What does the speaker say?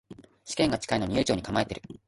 試験が近いのに悠長に構えてる